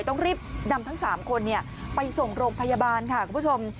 ต้องรีบนำทั้ง๓คนไปส่งโรงพยาบาลค่ะคุณผู้ชม